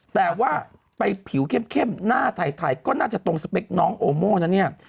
แต่ว่าไปผิวเข้มหน้าไทยก็น่าจะตรงสเปคน้องโอโม่นะเนี่ย